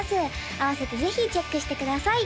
併せてぜひチェックしてください